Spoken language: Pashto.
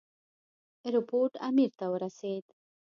رپوټ امیر ته ورسېد.